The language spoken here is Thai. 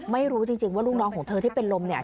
ไม่รู้จริงว่าลูกน้องของเธอที่เป็นลมเนี่ย